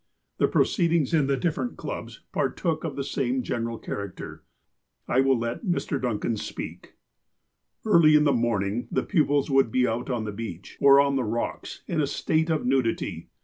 The proceedings in the different clubs partook of the same general character. I will let Mr. Duncan speak :" Early in the morning the pupils would be out on the beach, or on the rocks, in a state of nudity.